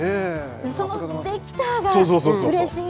その、できたがうれしい。